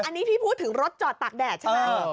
อันนี้พี่พูดถึงรถจอดตากแดดใช่ไหม